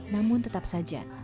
namun tetap saja